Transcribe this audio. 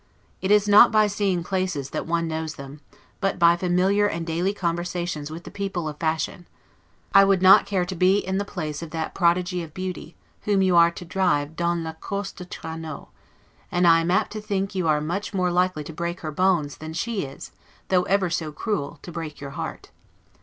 It is not by seeing places that one knows them, but by familiar and daily conversations with the people of fashion. I would not care to be in the place of that prodigy of beauty, whom you are to drive 'dans la course de Traineaux'; and I am apt to think you are much more likely to break her bones, than she is, though ever so cruel, to break your heart.